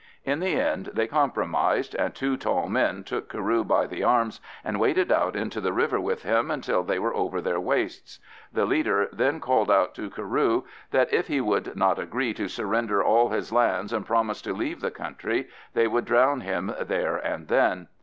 In the end they compromised, and two tall men took Carew by the arms and waded out into the river with him until they were over their waists. The leader then called out to Carew that if he would not agree to surrender all his lands and promise to leave the country they would drown him there and then.